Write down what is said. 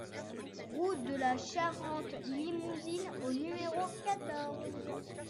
Route de la Charente Limousine au numéro quatorze